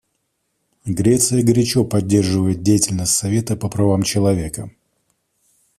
Греция горячо поддерживает деятельность Совета по правам человека.